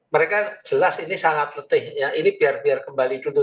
mereka jelas ini sangat letih ya ini biar biar kembali duduk